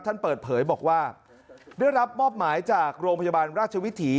ท่านเปิดเผยบอกว่าได้รับมอบหมายจากโรงพยาบาลราชวิถี